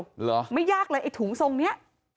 เหรอไม่ยากเลยไอ้ถุงทรงนี้